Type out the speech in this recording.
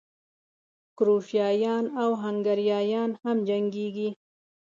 کروشیایان او هنګریایان هم جنګېږي.